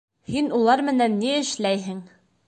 Һин улар менән ни эшләйһең?